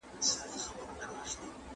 وارث مرغۍ کوټې ته یووړه.